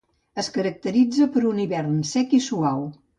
Es caracteritza per un hivern sec i suau.